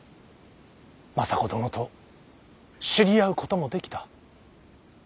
政子殿と知り合うこともできた。